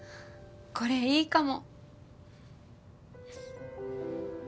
これいいかも。